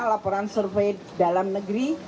laporan survei dalam negeri